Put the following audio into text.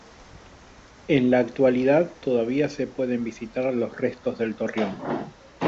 En la actualidad todavía se pueden visitar los restos del torreón.